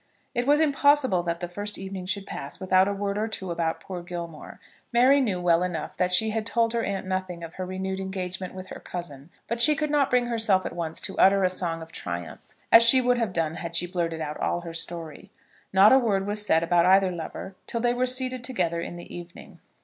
It was impossible that the first evening should pass without a word or two about poor Gilmore. Mary knew well enough that she had told her aunt nothing of her renewed engagement with her cousin; but she could not bring herself at once to utter a song of triumph, as she would have done had she blurted out all her story. Not a word was said about either lover till they were seated together in the evening.